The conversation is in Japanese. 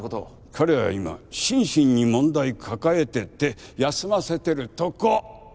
彼は今心身に問題抱えてて休ませてるとこ。